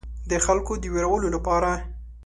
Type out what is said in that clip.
د خلکو د ویرولو لپاره.